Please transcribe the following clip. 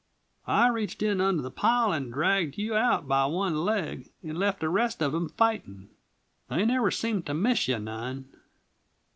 I reached in under the pile and dragged you out by one leg and left the rest of 'em fighting. They never seemed to miss you none."